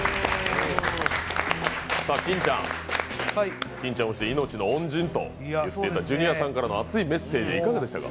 金ちゃんをして命の恩人としていたジュニアさんからの熱いメッセージいかがでしたか？